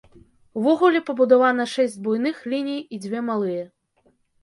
Увогуле пабудавана шэсць буйных ліній і дзве малыя.